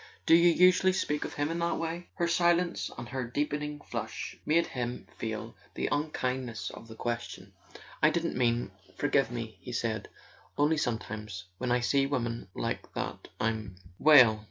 Do you usually speak of him in that way?" Her silence and her deepening flush made him feel the unkindness of the question. "I didn't mean ... forgive me," he said. "Only sometimes, when I see women like that I'm " "Well?"